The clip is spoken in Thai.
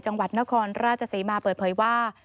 จังหวัดนครราชศรีมาเปิดเผยว่า